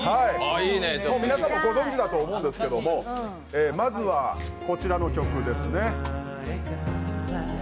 皆さんもご存じだとは思うんですがまずはこちらの曲ですね。